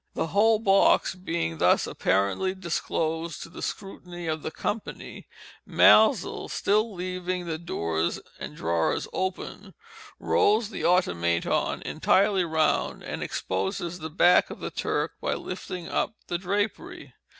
The whole box being thus apparently disclosed to the scrutiny of the company, Maelzel, still leaving the doors and drawer open, rolls the Automaton entirely round, and exposes the back of the Turk by lifting up the drapery.